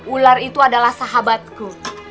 ular itu adalah sahabatku